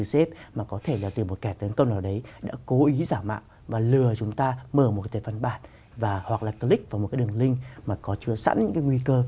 xếp mà có thể là từ một kẻ tấn công nào đấy đã cố ý giả mạo và lừa chúng ta mở một cái văn bản và hoặc là click vào một cái đường link mà có chứa sẵn những cái nguy cơ